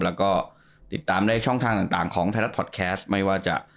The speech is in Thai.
แล้วก็ติดตามได้ช่องทางต่างต่างของไทยรัฐไม่ว่าจะ